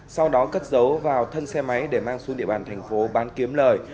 sau đó cất dấu vào thân xe máy để mang xuống địa bàn thành phố bán kiếm lời